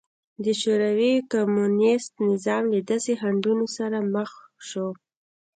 د شوروي کمونېست نظام له داسې خنډونو سره مخ شو